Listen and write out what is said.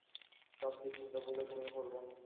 সব দূশ্চিন্তা ভুলে ঘুমিয়ে পড়ব।